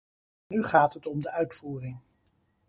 Nu gaat het om de uitvoering.